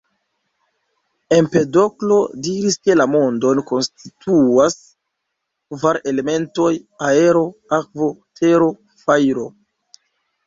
Empedoklo diris ke la mondon konstituas kvar elementoj: aero, akvo, tero, fajro.